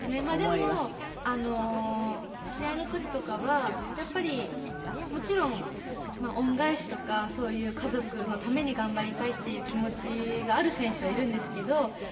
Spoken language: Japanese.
まあでも試合の時とかはやっぱりもちろん恩返しとかそういう家族のために頑張りたいっていう気持ちがある選手はいるんですけど。